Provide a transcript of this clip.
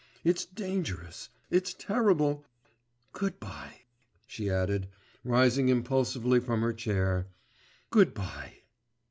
It's dangerous, it's terrible ... good bye!' she added, rising impulsively from her chair, 'good bye!